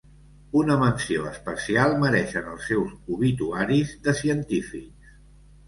Una menció especial mereixen els seus obituaris de científics.